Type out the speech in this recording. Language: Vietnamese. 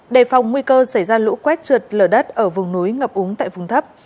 đề phòng nguy cơ xảy ra lũ quét trượt lở đất ở vùng núi ngập úng tại vùng thấp